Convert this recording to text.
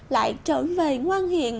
lại trở về ngoan hiền